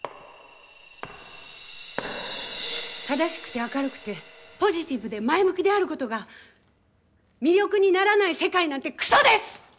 正しくて明るくてポジティブで前向きであることが魅力にならない世界なんてくそです！